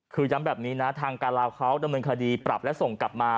คือย้ำแบบนี้นะทางการลาวเขาดำเนินคดีปรับและส่งกลับมา